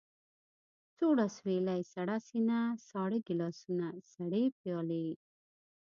سوړ اسوېلی، سړه سينه، ساړه ګيلاسونه، سړې پيالې.